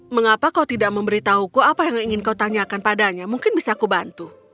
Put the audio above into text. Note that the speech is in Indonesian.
mengapa kau tidak memberitahuku apa yang ingin kau tanyakan padanya mungkin bisa aku bantu